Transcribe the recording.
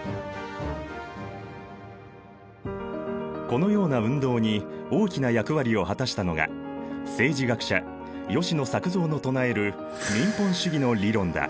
このような運動に大きな役割を果たしたのが政治学者吉野作造の唱える民本主義の理論だ。